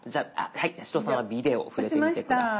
八代さんは「ビデオ」触れてみて下さい。